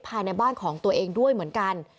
ภายในบ้านของตัวเองด้วยเหมือนกัน